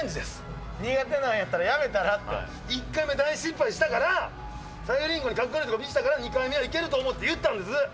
苦手なんやったらやめたらっ１回目大失敗したから、さゆりんごにかっこ悪いとか見せたから、２回目はいけると思って言うたんです。